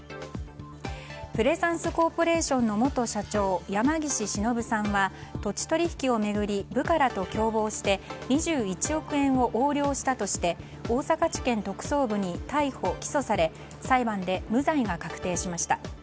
プレサンスコーポレーションの元社長、山岸忍さんは土地取引を巡り部下らと共謀して２１億円を横領したとして大阪地検特捜部に逮捕・起訴され裁判で無罪が確定しました。